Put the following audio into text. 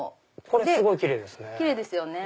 これすごいキレイですね。